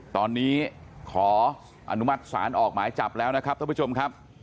ตอนนี้ขออนุมัติศาลออกหมายจับแล้วนะครับท่านผู้ชมครับ